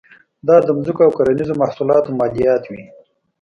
دا د ځمکو او کرنیزو محصولاتو مالیات وې.